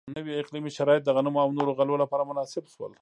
نوي اقلیمي شرایط د غنمو او نورو غلو لپاره مناسب شول.